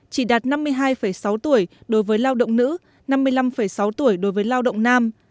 chỉ đạt năm mươi hai sáu tuổi đối với lao động nữ năm mươi năm sáu tuổi đối với lao động nam